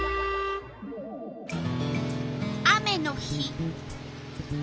雨の日。